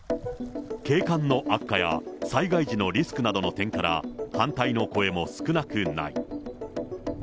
景観の悪化や災害時のリスクなどの点から、反対の声も少なくない。